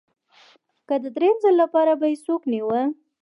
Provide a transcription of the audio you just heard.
که د درېیم ځل لپاره به یې څوک نیوه